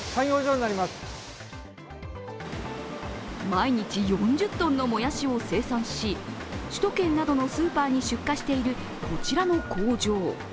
毎日４０ｔのもやしを生産し、首都圏などのスーパーに出荷しているこちらの工場。